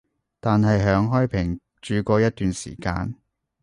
但係響開平住過一段時間